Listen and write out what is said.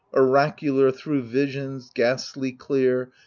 Oracular thro' visions, ghastly clear.